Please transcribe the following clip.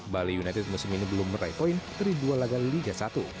bali united musim ini belum meraih poin dari dua laga liga satu